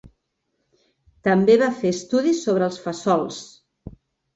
També va fer estudis sobre els fesols.